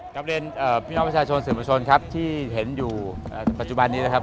กลับเรียนพี่น้องประชาชนสื่อประชนครับที่เห็นอยู่ปัจจุบันนี้นะครับ